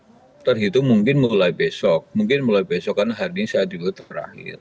setelah itu mungkin mulai besok mungkin mulai besok karena hari ini saat itu terakhir